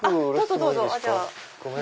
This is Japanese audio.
どうぞどうぞ。